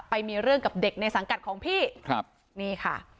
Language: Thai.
ไปมีเรื่องกับเด็กในสังกัดของพี่ครับนี่ค่ะ